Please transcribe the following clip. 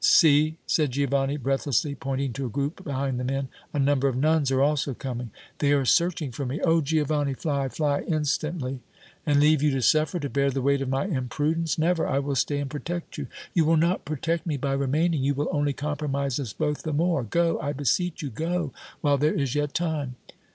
"See," said Giovanni, breathlessly, pointing to a group behind the men. "A number of nuns are also coming!" "They are searching for me! Oh! Giovanni, fly, fly instantly!" "And leave you to suffer, to bear the weight of my imprudence! Never! I will stay and protect you!" "You will not protect me by remaining. You will only compromise us both the more. Go, I beseech you, go, while there is yet time!"